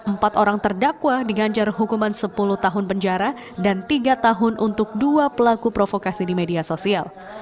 empat orang terdakwa diganjar hukuman sepuluh tahun penjara dan tiga tahun untuk dua pelaku provokasi di media sosial